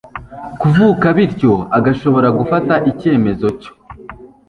kuvuka bityo agashobora gufata icyemezo cyo